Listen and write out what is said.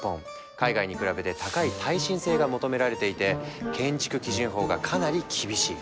海外に比べて高い耐震性が求められていて建築基準法がかなり厳しい。